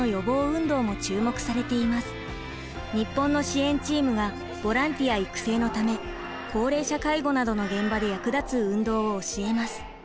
日本の支援チームがボランティア育成のため高齢者介護などの現場で役立つ運動を教えます。